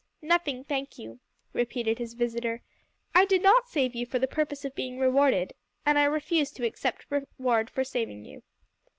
"Nothing, thank you," repeated his visitor. "I did not save you for the purpose of being rewarded, and I refuse to accept reward for saving you."